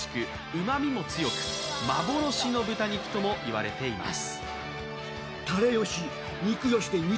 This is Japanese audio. うまみも強く、幻の豚肉とも言われています。